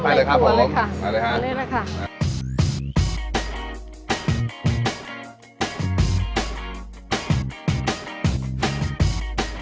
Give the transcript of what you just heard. ไปเลยครับผมเอาเลยค่ะเอาเลยค่ะ